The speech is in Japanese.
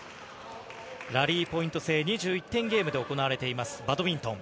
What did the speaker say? ラリーポイント制２１点ゲームで行われています、バドミントン。